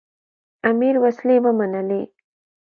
امیر وسلې ومنلې.